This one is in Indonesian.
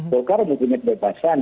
bolkar memiliki kebebasan